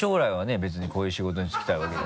別にこういう仕事に就きたいわけじゃ。